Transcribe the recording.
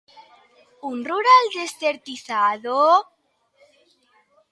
¿Un rural desertizado?